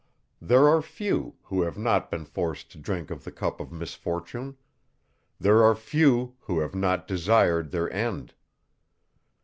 There are few, who have not been forced to drink of the cup of misfortune; there are few, who have not desired their end.